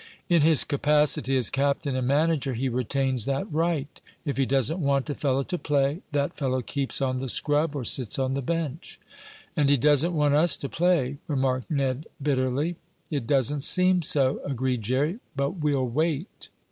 In his capacity as captain and manager he retains that right. If he doesn't want a fellow to play, that fellow keeps on the scrub or sits on the bench." "And he doesn't want us to play," remarked Ned, bitterly. "It doesn't seem so," agreed Jerry. "But we'll wait."